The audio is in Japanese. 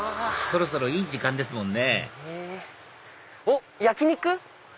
そろそろいい時間ですもんねおっ焼き肉！